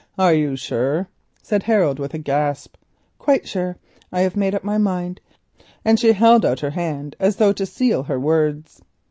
"Are you sure?" said Harold with a gasp. "Quite sure. I have made up my mind," and she held out her hand, as though to seal her words.